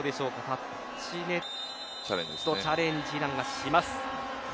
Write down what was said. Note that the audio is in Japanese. タッチネットチャレンジをイランがします。